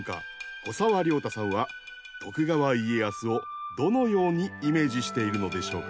古沢良太さんは徳川家康をどのようにイメージしているのでしょうか？